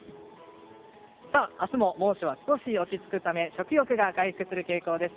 明日も猛暑は少し落ち着くため食欲が回復する傾向です。